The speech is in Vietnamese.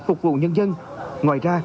phục vụ nhân dân ngoài ra